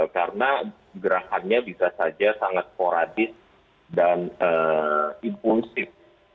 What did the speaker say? karena gerakannya bisa saja sangat sporadis dan impulsif